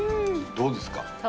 どうですか？